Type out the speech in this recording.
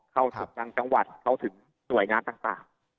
เข้าถึงทางจังหวัดเข้าถึงหน่วยงานต่าง